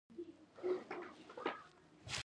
سپارښتنه ورته وکړم.